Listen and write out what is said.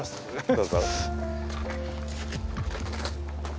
どうぞ。